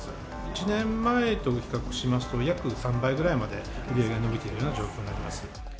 １年前と比較しますと、約３倍ぐらいまで売り上げが伸びているような状況になります。